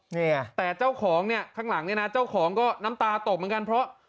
เนี่ยแต่เจ้าของเนี่ยข้างหลังเนี่ยนะเจ้าของก็น้ำตาตกเหมือนกันเพราะ